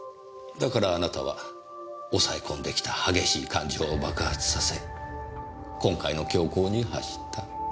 だからあなたは抑え込んできた激しい感情を爆発させ今回の凶行に走った。